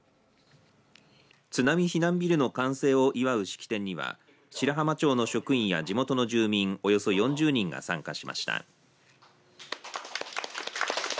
津波避難ビルの完成を祝う式典には白浜町の職員や地元の住民およそ４０人が参加しました。